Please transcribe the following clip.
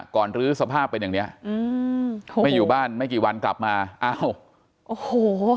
รื้อสภาพเป็นอย่างเนี้ยอืมไม่อยู่บ้านไม่กี่วันกลับมาอ้าวโอ้โห